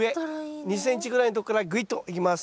２ｃｍぐらいのとこからぐいっといきます。